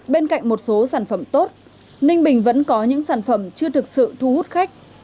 bên cạnh một số sản phẩm tốt ninh bình vẫn có những sản phẩm chưa thực sự thu hút khách